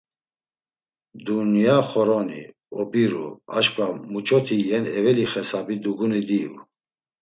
Dunyaaa xoroni, obiru, aşǩva muç̌oti iyen eveli xesabi duguni diyu.